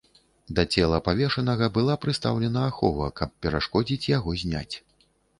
Да цела павешанага была прыстаўлена ахова, каб перашкодзіць яго зняць.